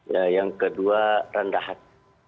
ya yang kedua rendahat